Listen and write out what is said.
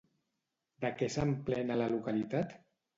De què s'emplena la localitat?